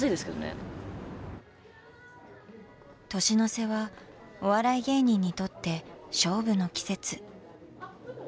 年の瀬はお笑い芸人にとって勝負の季節。